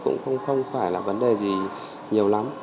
cũng không phải là vấn đề gì nhiều lắm